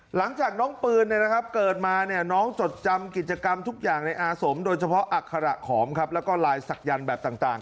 หลังจากน้องปืนเนี่ยนะครับเกิดมาเนี่ยน้องจดจำกิจกรรมทุกอย่างในอาสมโดยเฉพาะอักษรขอมครับแล้วก็ลายสักยันแบบต่าง